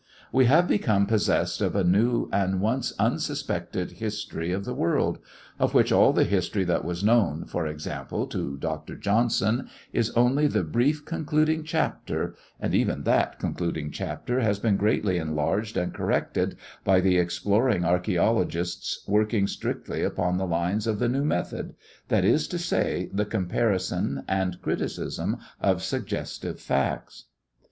We have become possessed of a new and once unsuspected history of the world of which all the history that was known, for example, to Dr. Johnson is only the brief concluding chapter; and even that concluding chapter has been greatly enlarged and corrected by the exploring archæologists working strictly upon the lines of the new method that is to say, the comparison and criticism of suggestive facts.